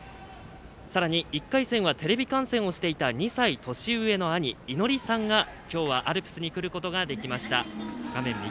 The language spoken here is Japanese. さらに１回戦はテレビ観戦をしていた２歳年上のお兄さんがアルプスにくることができました。